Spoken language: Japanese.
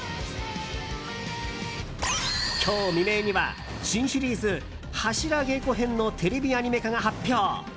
今日未明には新シリーズ「柱稽古編」のテレビアニメ化が発表。